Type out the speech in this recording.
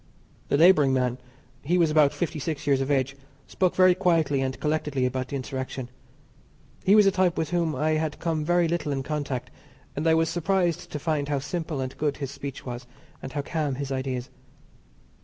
The labouring man he was about fifty six years of age spoke very quietly and collectedly about the insurrection. He was a type with whom I had come very little in contact, and I was surprised to find how simple and good his speech was, and how calm his ideas.